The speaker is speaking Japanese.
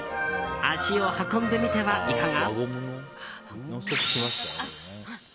足を運んでみてはいかが？